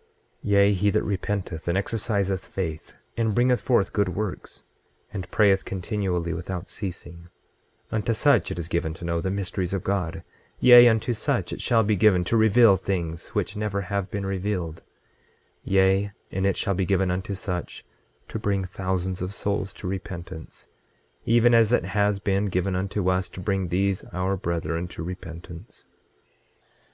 26:22 Yea, he that repenteth and exerciseth faith, and bringeth forth good works, and prayeth continually without ceasing—unto such it is given to know the mysteries of God; yea, unto such it shall be given to reveal things which never have been revealed; yea, and it shall be given unto such to bring thousands of souls to repentance, even as it has been given unto us to bring these our brethren to repentance.